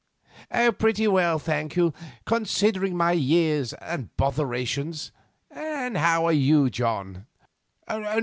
"Pretty well, thank you, considering my years and botherations. And how are you, John?"